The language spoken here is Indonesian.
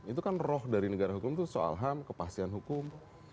itu kan roh dari negara hukum itu soal ham kepastian hukum